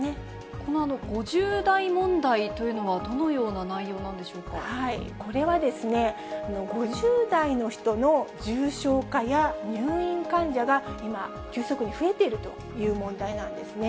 この５０代問題というのは、これはですね、５０代の人の重症化や入院患者が今、急速に増えているという問題なんですね。